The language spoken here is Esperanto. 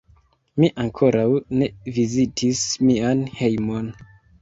Mi ankoraŭ ne vizitis mian hejmon.